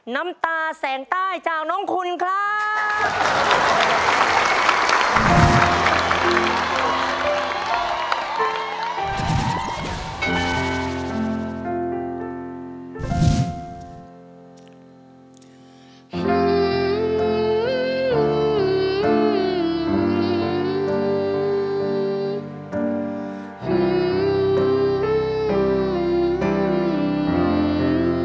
น้ำตาแสงใต้จากน้องคุณครับ